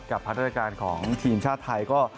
พัฒนาการของทีมชาติไทยก็